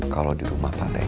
kalau di rumah pak regar